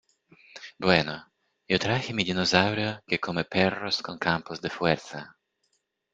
Bueno, yo traje mi dinosaurio que come perros con campos de fuerza.